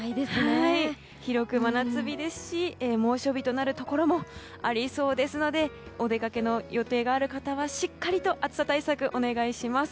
広く真夏日ですし猛暑日となるところもありそうですのでお出かけの予定がある方はしっかりと暑さ対策をお願いします。